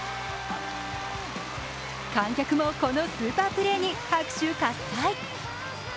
観客もこのスーパープレーに拍手喝采。